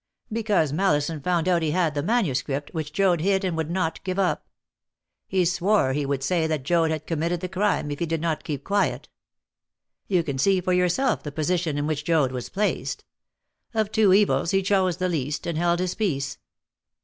"Because Mallison found out he had the manuscript, which Joad hid and would not give up. He swore he would say that Joad had committed the crime if he did not keep quiet. You can see for yourself the position in which Joad was placed. Of two evils he chose the least, and held his peace.